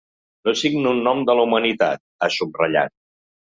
No signo en nom de la humanitat, ha subratllat.